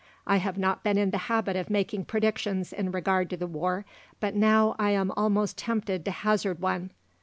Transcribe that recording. I have not been in the habit of making predictions in regard to the war, but now I am almost tempted to hazard one.